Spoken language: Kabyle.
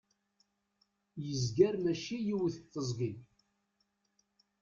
yezger mačči yiwet teẓgi